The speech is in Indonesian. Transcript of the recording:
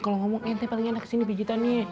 kalau ngomong nte paling enak kesini pijitannya